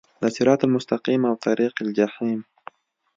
د صراط المستقیم او طریق الجحیم